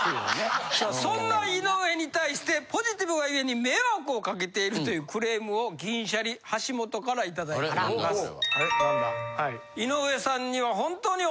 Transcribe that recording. そんな井上に対してポジティブが故に迷惑をかけているというクレームを銀シャリ橋本から頂いております。